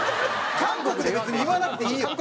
韓国で別に言わなくていいよ。